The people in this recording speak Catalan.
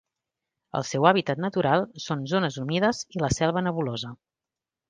El seu hàbitat natural són zones humides i la selva nebulosa.